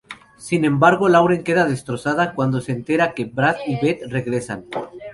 Sin embargo Lauren queda destrozada cuando se entera que Brad y Beth regresan.